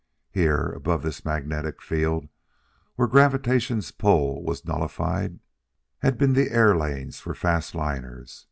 Here, above this magnetic field where gravitation's pull was nullified, had been the air lanes for fast liners.